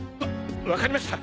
分かりました